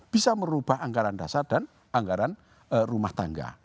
bisa merubah anggaran dasar dan anggaran rumah tangga